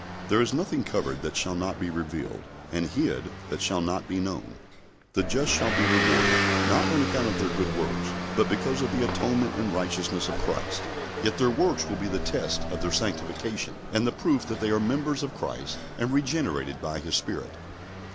"There is nothing covered, that shall not be revealed; and hid, that shall not be known." The just shall be rewarded, not on account of their good works, but because of the atonement and righteousness of Christ; yet their works will be the test of their sanctification and the proof that they are members of Christ and regenerated by His Spirit.